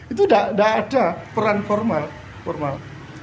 itu tidak ada peran formal formal